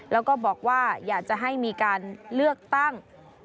แล้วก็บอกว่าอยากจะให้มีการเลือกตั้ง